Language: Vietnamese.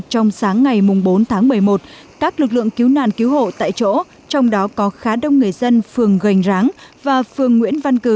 trong sáng ngày bốn tháng một mươi một các lực lượng cứu nạn cứu hộ tại chỗ trong đó có khá đông người dân phường gành ráng và phường nguyễn văn cử